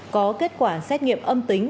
có kết quả xét nghiệm âm tính